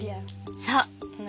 そう。